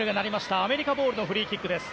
アメリカボールのフリーキック。